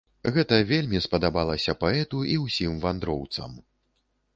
Гэта вельмі спадабалася паэту і ўсім вандроўцам.